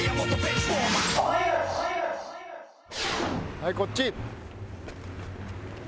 はいこっち！